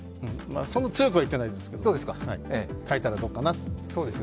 そんな強くは言ってないですけどね、書いたらどうかな。